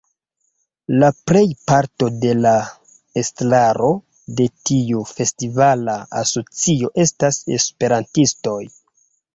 La plejparto de la estraro de tiu festivala asocio estas Esperantistoj.